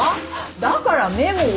だからメモを。